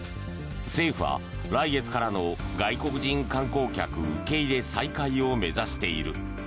政府は来月からの外国人観光客受け入れ再開を目指している。